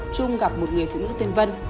trung gặp một người phụ nữ tên vân